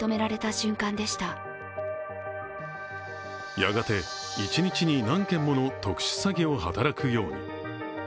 やがて一日に何件もの特殊詐欺を働くように。